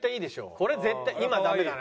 これ絶対今ダメだな。